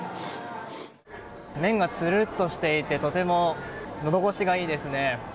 麺がつるっとしていてとてものどごしがいいですね。